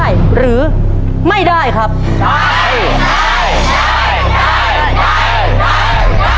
โจทย์สำหรับเก้าอี้จำนวน๑ตัว